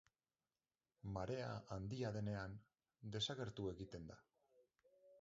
Marea handia denean, desagertu egiten da.